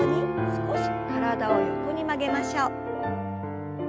少し体を横に曲げましょう。